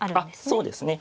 そうですね。